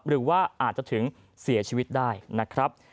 หรือว่าอาจจะถึงเสียชีวิตได้นะครับ